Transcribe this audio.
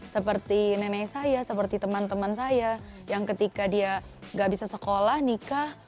seperti nenek saya seperti teman teman saya yang ketika dia gak bisa sekolah nikah